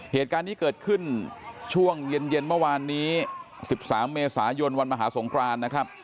เหตุการณ์นี้เกิดขึ้นช่วงเย็นเมื่อวานนี้๑๓เมษายนวันมหาสงครานนะครับ